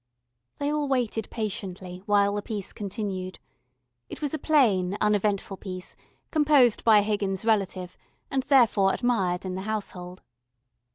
They all waited patiently while the piece continued. It was a plain uneventful piece, composed by a Higgins relative and therefore admired in the household.